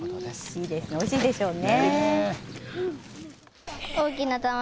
いいですね、おいしいでしょうね。